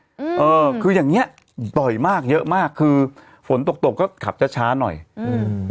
เออเออคืออย่างเงี้ยบ่อยมากเยอะมากคือฝนตกตกก็ขับช้าช้าหน่อยอืม